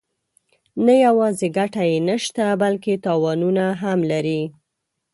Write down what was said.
نه یوازې ګټه یې نشته بلکې تاوانونه هم لري.